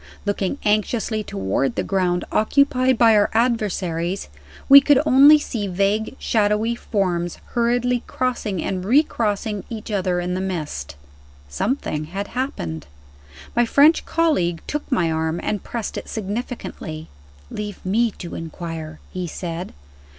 Looking anxiously toward the ground occupied by our adversaries, we could only see vague, shadowy forms hurriedly crossing and recrossing each other in the mist. Something had happened! My French colleague took my arm and pressed it significantly. "Leave me to inquire," he said.